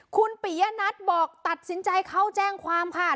คุณปิยะนัทบอกตัดสินใจเข้าแจ้งความค่ะ